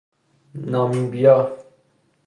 نامیبیا